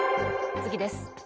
次です。